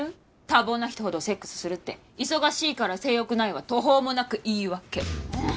多忙な人ほどセックスするって忙しいから性欲ないは途方もなく言い訳ええ